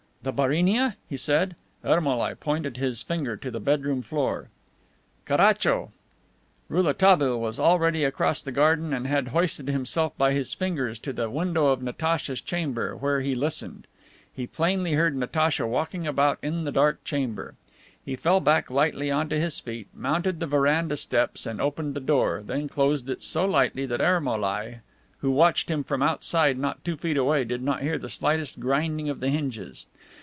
"The Barinia?" he said. Ermolai pointed his finger to the bedroom floor. "Caracho!" Rouletabille was already across the garden and had hoisted himself by his fingers to the window of Natacha's chamber, where he listened. He plainly heard Natacha walking about in the dark chamber. He fell back lightly onto his feet, mounted the veranda steps and opened the door, then closed it so lightly that Ermolai, who watched him from outside not two feet away, did not hear the slightest grinding of the hinges.